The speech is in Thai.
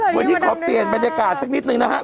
วันนี้ขอเปลี่ยนบรรยากาศสักนิดนึงนะครับ